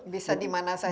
bisa dimana saja